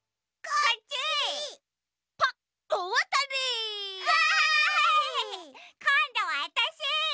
こんどはわたし！